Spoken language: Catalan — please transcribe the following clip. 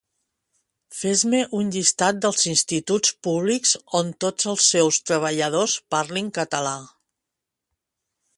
Fes-me un llistat dels Instituts Públics on tots els seus treballadors parlin català